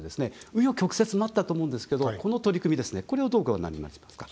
う余曲折もあったと思うんですけどこの取り組みですねこれをどうご覧になりますか？